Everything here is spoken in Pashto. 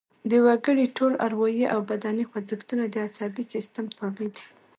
د وګړي ټول اروايي او بدني خوځښتونه د عصبي سیستم تابع دي